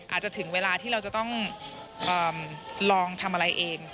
ถึงเวลาที่เราจะต้องลองทำอะไรเอง